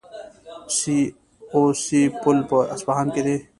سي او سه پل په اصفهان کې دی.